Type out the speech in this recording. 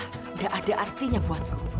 enggak ada artinya buatku